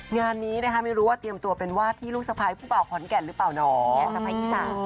งานนี้นะคะไม่รู้ว่าเตรียมตัวเป็นวาดที่ลูกสะพ้ายผู้เป่าขอนแก่นหรือเปล่าเนาะ